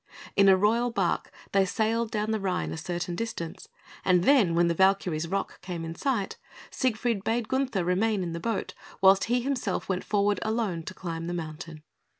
In a royal barque they sailed down the Rhine a certain distance, and then when the Valkyrie's rock came in sight, Siegfried bade Gunther remain in the boat, whilst he himself went forward alone to climb the mountain.